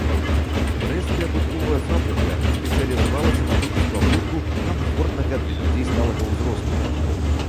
Брэсцкая абутковая фабрыка спецыялізавалася на выпуску абутку камфортнага для людзей сталага ўзросту.